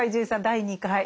第２回。